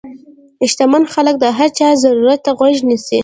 شتمن خلک د هر چا ضرورت ته غوږ نیسي.